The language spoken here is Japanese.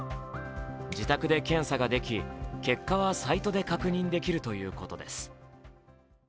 自宅で検査ができ、結果はサイトで確認できるということです。